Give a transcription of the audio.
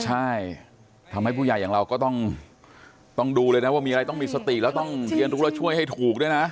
ใช่ทำให้ผู้ใหญ่อย่างเราก็ต้องดูเลยนะว่ามีอะไรต้องมีสติแล้วต้องเรียนรู้แล้วช่วยให้ถูกด้วยนะ